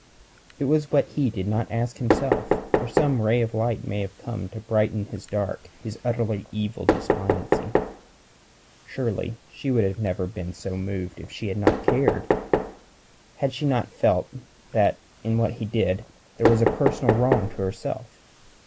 It was what he did not ask himself, or some ray of light might have come to brighten his dark, his utterly evil despondency. Surely she would never have been so moved had she not cared had she not felt that in what he did there was a personal wrong to herself.